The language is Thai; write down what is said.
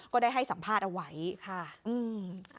ได้ให้สัมภาษณ์เอาไว้ค่ะอืม